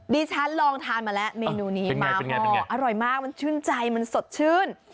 ดิฉันลองทานมาแล้วเมนูนี้มาก็อร่อยมากมันชื่นใจมันสดชื่น